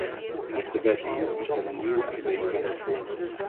Trek de wet in en stel een nieuwe en betere wet voor.